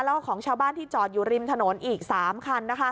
แล้วก็ของชาวบ้านที่จอดอยู่ริมถนนอีก๓คัน